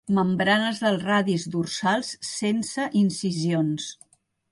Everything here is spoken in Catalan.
Membranes dels radis dorsals sense incisions.